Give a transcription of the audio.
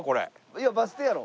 いやバス停やろ。